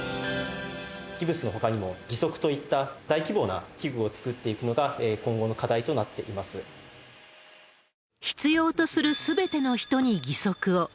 ギブスのほかにも、義足といった大規模な器具を作っていくのが今後の課題となってい必要とするすべての人に義足を。